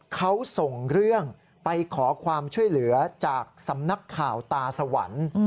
เขาส่งเรื่องไปขอความช่วยเหลือจากสำนักข่าวตาสวรรค์